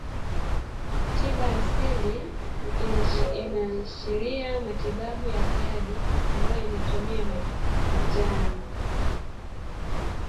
tiba asilia inaashiria matibabu ya jadi ambayo yanatumia majani